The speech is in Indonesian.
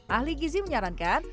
ahli gizi menyarankan